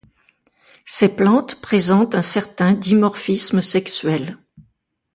Ces plantes présentent un certain dimorphisme sexuel.